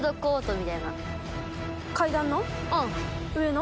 階段の？